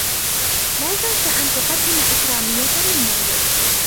لا تنس أن تقدّم إكراميّة للنّادل.